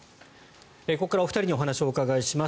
ここから、お二人にお話を伺います。